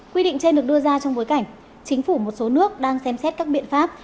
quy định trên được đưa ra trong bối cảnh chính phủ một số nước đang xem xét các biện pháp